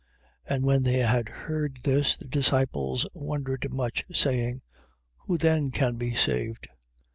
19:25. And when they had heard this, the disciples wondered much, saying: Who then can be saved?